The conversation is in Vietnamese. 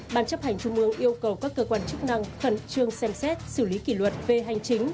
ban chấp hành trung ương yêu cầu các cơ quan chức năng khẩn trương xem xét xử lý kỷ luật về hành chính